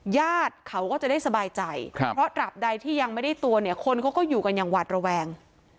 ญาติเขาก็จะได้สบายใจเพราะตราบใดที่ยังไม่ได้ตัวเนี่ยคนเขาก็อยู่กันอย่างหวาดระแวง